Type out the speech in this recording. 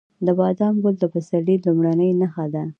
د بادام ګل د پسرلي لومړنی نښه ده.